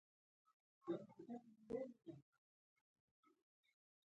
سبا وختي به له خیره حرکت وکړې، سمه ده.